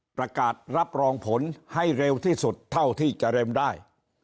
ประกาศรับรองผลให้เร็วที่สุดเท่าที่จะเร็วได้